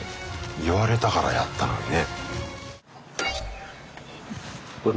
言われたからやったのにね。